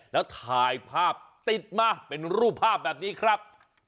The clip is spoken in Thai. แล้วถ่ายภาพติดมาเป็นรูปภาพแบบนี้ครับ